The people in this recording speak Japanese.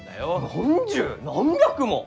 何十何百も！？